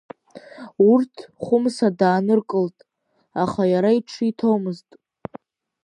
Урҭ Хәымса дааныркылт, аха иара иҽриҭомызт.